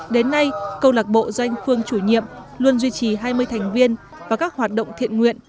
đến nay câu lạc bộ doanh phương chủ nhiệm luôn duy trì hai mươi thành viên và các hoạt động thiện nguyện